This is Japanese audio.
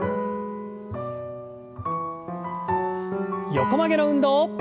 横曲げの運動。